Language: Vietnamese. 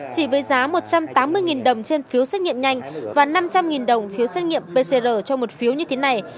chỉ với giá một trăm tám mươi đồng trên phiếu xét nghiệm nhanh và năm trăm linh đồng phiếu xét nghiệm pcr cho một phiếu như thế này